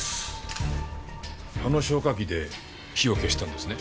あの消火器で火を消したんですね？